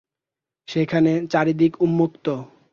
সেখানে চারি দিক উন্মুক্ত।